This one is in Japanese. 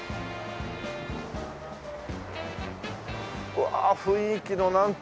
うわあ雰囲気のなんといい。